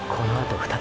“２つ”